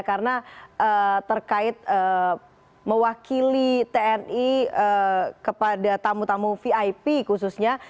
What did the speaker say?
karena terkait mewakili tni kepada tamu tamu vip khususnya